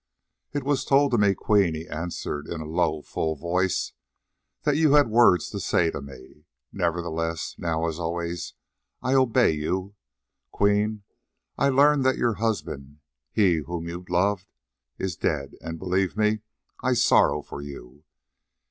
"It was told to me, Queen," he answered in a low, full voice, "that you had words to say to me. Nevertheless, now as always, I obey you. Queen, I learn that your husband, he whom you loved, is dead, and believe me, I sorrow for you.